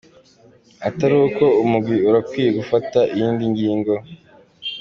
"Ataruko, umugwi urakwiye gufata iyindi ngingo.